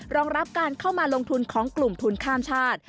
รองรับการเข้ามาลงทุนของกลุ่มทุนข้ามชาติ